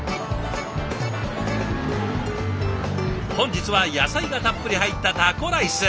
本日は野菜がたっぷり入ったタコライス！